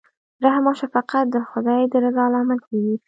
رحم او شفقت د خدای د رضا لامل کیږي.